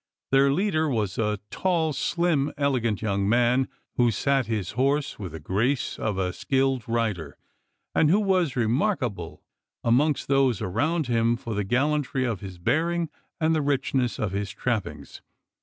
Their leader was a tall, slim, elegant young man, who sat his horse with the grace of a skilled rider, and who was remarkable amongst those around him for the gallantry of his bearing and the richness of his trappings.